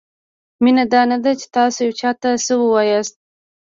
مینه دا نه ده؛ چې تاسو یو چاته څه وایاست؛